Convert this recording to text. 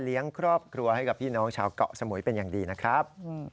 ครอบครัวให้กับพี่น้องชาวเกาะสมุยเป็นอย่างดีนะครับ